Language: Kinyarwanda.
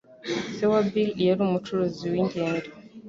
Se wa Bill yari umucuruzi w'ingendo.